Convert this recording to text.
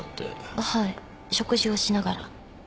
はい食事をしながら。